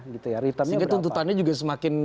sehingga tuntutannya juga semakin